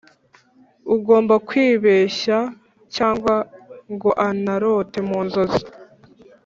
ugomba kwibeshya cyangwa ngo anarote mu nzozi